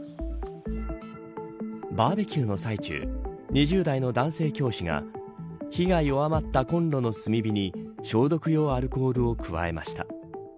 バーベキューの最中２０代の男性教師が火が弱まったコンロの炭火に消毒用アルコールを加えました。